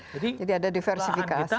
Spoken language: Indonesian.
jadi ada diversifikasi